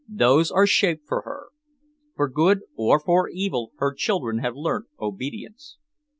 Those are shaped for her. For good or for evil her children have learnt obedience."